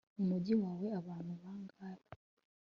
mu mujyi wawe abantu bangahe